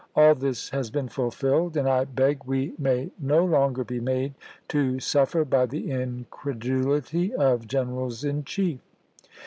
All this has been fulfilled, and I beg we may no longer be made to suffer by the incredulity of generals in chief."